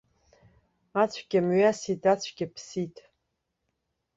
Ацәгьа мҩасит, ацәгьа ԥсит.